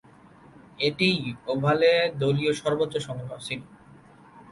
এটিই ওভালে দলীয় সর্বোচ্চ সংগ্রহ ছিল।